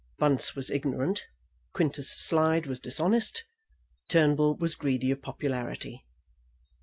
Bunce was ignorant. Quintus Slide was dishonest. Turnbull was greedy of popularity.